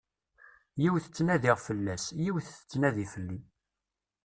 Yiwet ttnadiɣ fell-as, yiwet tettnadi fell-i.